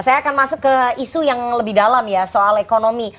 saya akan masuk ke isu yang lebih dalam ya soal ekonomi